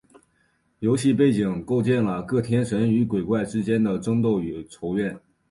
游戏背景构建了各天神与鬼怪之间的争斗与仇怨。